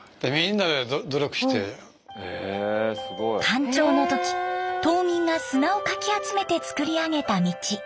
干潮の時島民が砂をかき集めて造り上げた道。